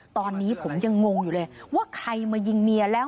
ตอนนี้ผมยังงงอยู่เลยว่าใครมายิงเมียแล้ว